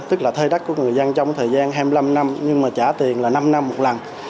tức là thuê đất của người dân trong thời gian hai mươi năm năm nhưng mà trả tiền là năm năm một lần